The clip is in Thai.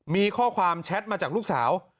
มีข้อความแชทมาจากลูกสาว